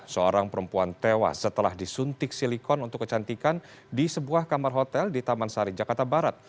seorang perempuan tewas setelah disuntik silikon untuk kecantikan di sebuah kamar hotel di taman sari jakarta barat